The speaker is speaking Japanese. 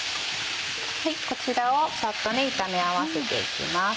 こちらをサッと炒め合わせていきます。